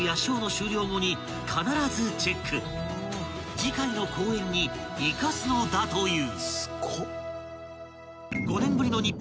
［次回の公演に生かすのだという］